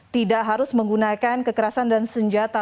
tidak harus menggunakan kekerasan dan senjata